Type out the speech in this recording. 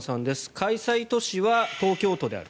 開催都市は東京都である。